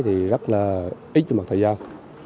thì rất là ít trong mặt thời gian